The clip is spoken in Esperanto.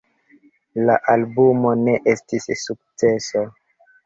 La albumo ne estis sukceso.